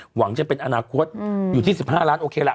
หวังจะเป็นอนาคตอยู่ที่๑๕ล้านโอเคละ